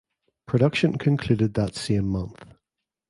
Production concluded that same month.